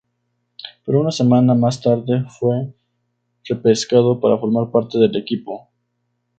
Pero una semana más tarde fue repescado para formar parte del equipo.